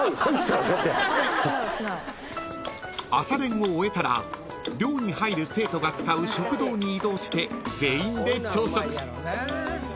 ［朝練を終えたら寮に入る生徒が使う食堂に移動して全員で朝食］